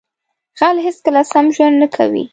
غل هیڅکله سم ژوند نه کوي